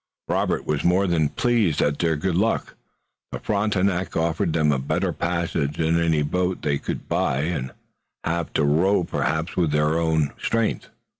Robert was more than pleased at their good luck. The Frontenac offered them a better passage than any boat they could buy and have to row perhaps with their own strength.